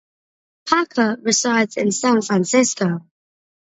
Parker resides in San Francisco.